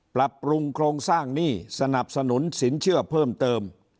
ปรับปรุงโครงสร้างหนี้สนับสนุนสินเชื่อเพิ่มเติม